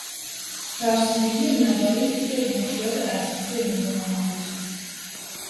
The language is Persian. فرسودگی مدارس یکی از مشکلات اساسی نظام آموزشی است